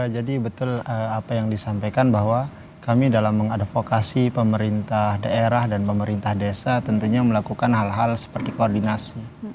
jadi betul apa yang disampaikan bahwa kami dalam mengadvokasi pemerintah daerah dan pemerintah desa tentunya melakukan hal hal seperti koordinasi